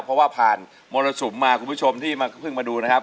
เพราะว่าผ่านมรสุมมาคุณผู้ชมที่เพิ่งมาดูนะครับ